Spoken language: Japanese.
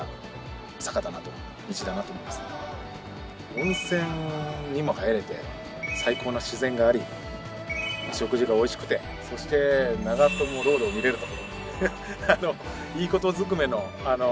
温泉にも入れて最高な自然があり食事がおいしくてそして長友ロードを見れると。